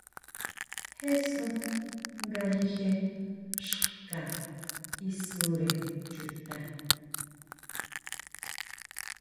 Jesún ngayije xka isure chuta.